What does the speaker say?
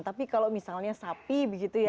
tapi kalau misalnya sapi begitu ya